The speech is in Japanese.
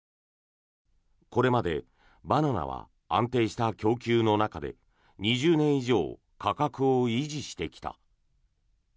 これまでバナナは安定した供給の中で２０年以上価格を維持してきた。